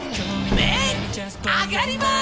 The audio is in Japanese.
麺上がります！